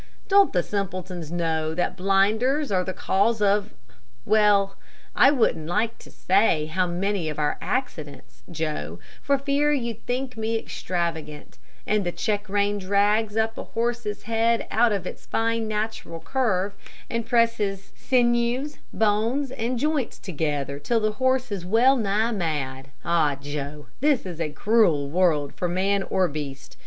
Don't the simpletons know that blinders are the cause of well, I wouldn't like to say how many of our accidents, Joe, for fear you'd think me extravagant and the check rein drags up a horse's head out of its fine natural curve and presses sinews, bones, and joints together, till the horse is well nigh mad. Ah, Joe, this is a cruel world for man or beast.